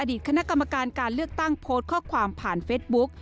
คณะกรรมการการเลือกตั้งโพสต์ข้อความผ่านเฟซบุ๊ก